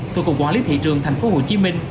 thuộc cục quản lý thị trường tp hcm